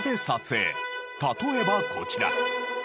例えばこちら！